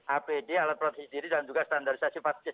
apd alat protesi diri dan juga standarisasi faktis